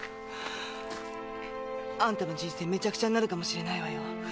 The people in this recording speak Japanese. あんたの人生滅茶苦茶になるかもしれないわよ。